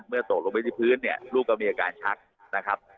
ตกลงไปที่พื้นเนี่ยลูกก็มีอาการชักนะครับ